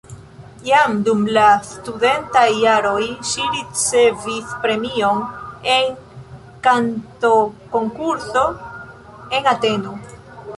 Jam dum la studentaj jaroj ŝi ricevis premion en kantokonkurso en Ateno.